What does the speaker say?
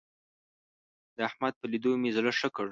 د احمد په ليدو مې زړه ښه کړ.